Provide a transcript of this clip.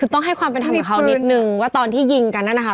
คือต้องให้ความเป็นธรรมกับเขานิดนึงว่าตอนที่ยิงกันนั่นนะคะ